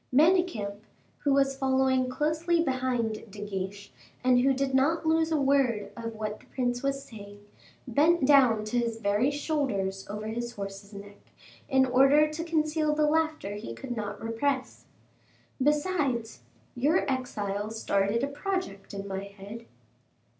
Manicamp, who was following closely behind De Guiche and who did not lose a word of what the prince was saying, bent down to his very shoulders over his horse's neck, in order to conceal the laughter he could not repress. "Besides, your exile started a project in my head."